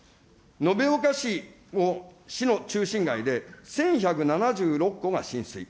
延岡市、市の中心街で、１１７６戸が浸水。